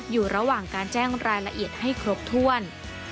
อยู่ระหว่างการแจ้งรายละเอียดให้ครบถ้วน